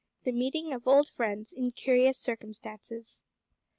THE MEETING OF OLD FRIENDS IN CURIOUS CIRCUMSTANCES.